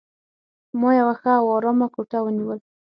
ما یوه ښه او آرامه کوټه ونیول.